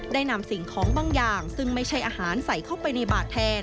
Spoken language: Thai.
ได้นำสิ่งของบางอย่างซึ่งไม่ใช่อาหารใส่เข้าไปในบาทแทน